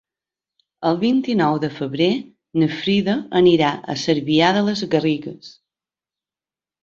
El vint-i-nou de febrer na Frida anirà a Cervià de les Garrigues.